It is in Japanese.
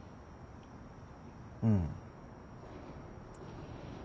うん。